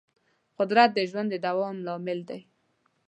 قدرت د ژوند د دوام لامل دی.